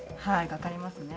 かかりますね。